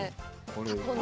タコの。